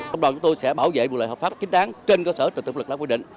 công đoàn chúng tôi sẽ bảo vệ vụ lợi hợp pháp chính đáng trên cơ sở thực tục lực lãi quy định